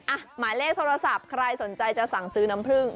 หมายเลขโทรศัพท์ใครสนใจจะสั่งซื้อน้ำผึ้ง